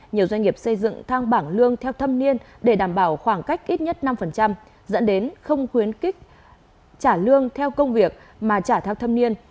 nhiều doanh nghiệp xây dựng thang bảng lương theo thâm niên để đảm bảo khoảng cách ít nhất năm dẫn đến không khuyến khích trả lương theo công việc mà trả theo thâm niên